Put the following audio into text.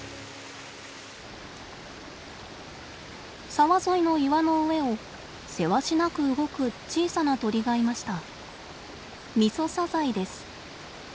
沢沿いの岩の上をせわしなく動く小さな鳥がいました。